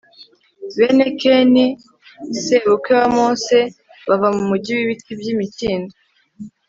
bene keni,+ sebukwe wa mose,+ bava mu mugi w'ibiti by'imikindo+